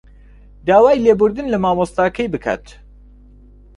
داوای لێبوردن لە مامۆستاکەی بکات